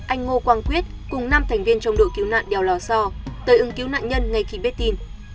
anh ngô quang quyết cùng năm thành viên trong đội cứu nạn đèo lò so tới ưng cứu nạn nhân ngay khi biết tin